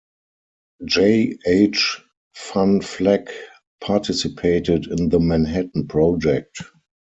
J. H. Van Vleck participated in the Manhattan Project.